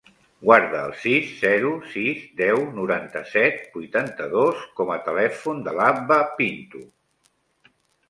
Guarda el sis, zero, sis, deu, noranta-set, vuitanta-dos com a telèfon de l'Abba Pinto.